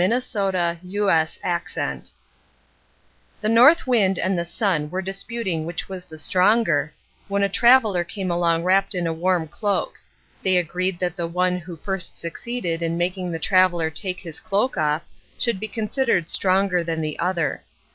Orthographic version The North Wind and the Sun were disputing which was the stronger, when a traveler came along wrapped in a warm cloak. They agreed that the one who first succeeded in making the traveler take his cloak off should be considered stronger than the other.